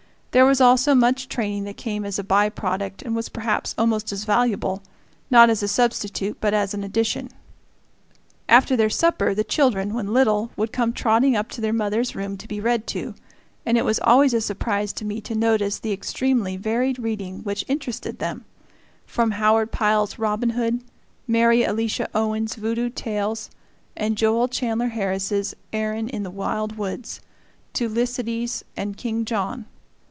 There was also much training that came as a by product and was perhaps almost as valuable not as a substitute but as an addition. After their supper, the children, when little, would come trotting up to their mother's room to be read to, and it was always a surprise to me to notice the extremely varied reading which interested them, from Howard Pyle's "Robin Hood," Mary Alicia Owen's "Voodoo Tales," and Joel Chandler Harris's "Aaron in the Wild Woods," to "Lycides" and "King John."